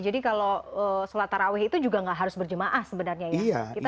jadi kalau sholat taraweh itu juga tidak harus berjamaah sebenarnya ya